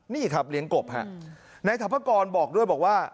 นี่ค่ะเลี้ยงกบฮะแนะนำธัพกรบอกด้วยบอกว่า